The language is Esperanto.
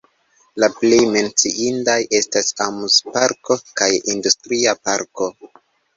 La plej menciindaj estas amuzparko kaj industria parko.